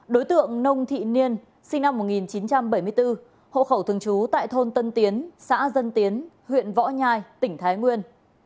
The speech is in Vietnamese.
đối tượng nông thị niên sinh năm một nghìn chín trăm bảy mươi bốn hộ khẩu thường trú tại thôn tân tiến xã dân tiến huyện võ nhai tỉnh thái nguyên